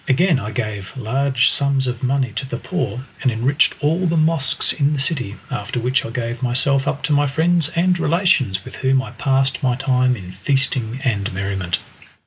Again I gave large sums of money to the poor, and enriched all the mosques in the city, after which I gave myself up to my friends and relations, with whom I passed my time in feasting and merriment.